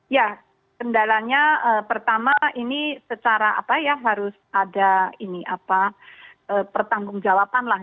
ya kendalanya pertama ini secara apa ya harus ada pertanggung jawaban lah